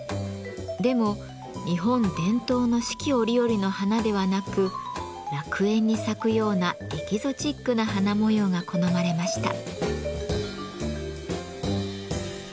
でも日本伝統の四季折々の花ではなく「楽園」に咲くようなエキゾチックな花模様が好まれました。